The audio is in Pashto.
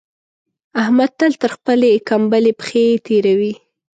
احمد تل تر خپلې کمبلې پښې تېروي.